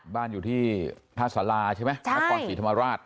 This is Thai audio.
บ้านอยู่ที่ท่าสาราใช่ไหมนครศรีธรรมราช